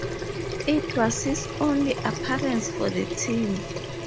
It was his only appearance for the team.